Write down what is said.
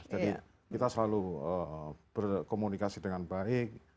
jadi kita selalu berkomunikasi dengan baik